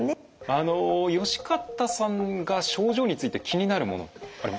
あの善方さんが症状について気になるものありますか？